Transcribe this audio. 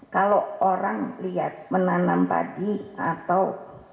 kalau orang lihat menanam padi atau